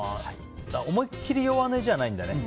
思い切り弱音じゃないんだね。